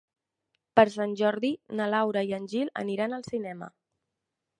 Per Sant Jordi na Laura i en Gil aniran al cinema.